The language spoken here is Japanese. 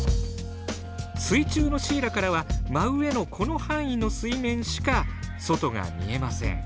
水中のシイラからは真上のこの範囲の水面しか外が見えません。